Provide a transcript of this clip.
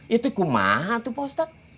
itu kumaha tuh pak ustadz